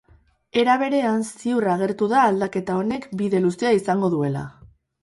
Era berean, ziur agertu da aldaketa honek bide luzea izango duela.